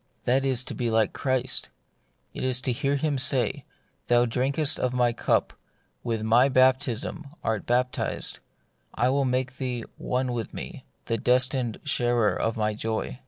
That is to be like Christ ; it is to hear Him say, " Thou drinkest of my cup ; The Mystery of Pain, 101 with my baptism art baptized. I make thee one with me, the destined sharer of my joy."